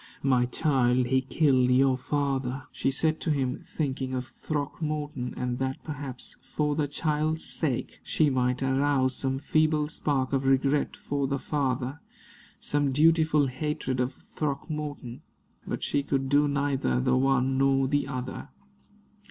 "My child, he killed your father," she said to him, thinking of Throckmorton, and that perhaps, for the child's sake, she might arouse some feeble spark of regret for the father some dutiful hatred of Throckmorton. But she could do neither the one nor the other.